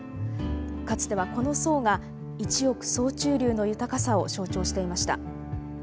かつてはこの層が一億総中流の豊かさを象徴していました。